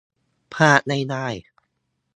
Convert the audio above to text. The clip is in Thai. พลาดไม่ได้ !